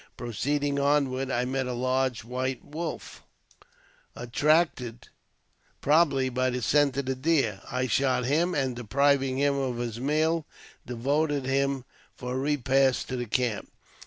Proceeding onward, I met a large white wolf, attracted, probably, by the scent of the deer. I shot him, and, depriving him of his meal, devoted him for a repast to the camp.